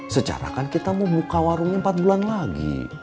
secara kan kita mau buka warungnya empat bulan lagi